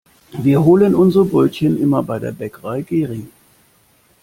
Wir holen unsere Brötchen immer bei der Bäckerei Gehring.